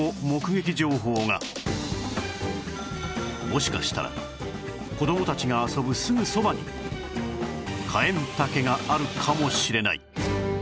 もしかしたら子どもたちが遊ぶすぐそばにカエンタケがあるかもしれない